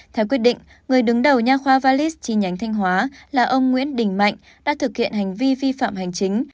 theo quyết định người đứng đầu nha khoa valish chi nhánh thanh hóa là ông nguyễn đình mạnh đã thực hiện hành vi vi phạm hành chính